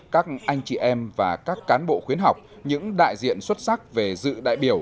các anh chị em và các cán bộ khuyến học những đại diện xuất sắc về dự đại biểu